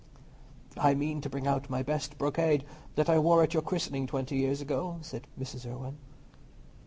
"I mean to bring out my best brocade, that I wore at your christening twenty years ago," said Mrs. Irwine.